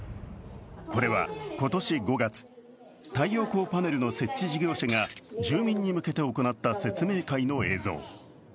これは今年５月、太陽光パネルの設置事業者が住民に向けて行った説明会の映像。